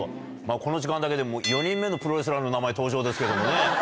この時間だけで４人目のプロレスラーの名前登場ですけどもね。